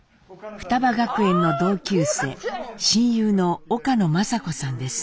雙葉学園の同級生親友の岡野まさ子さんです。